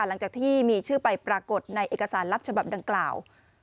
หลังจากที่มีชื่อไปปรากฏในเอกสารลับฉบับดังกล่าว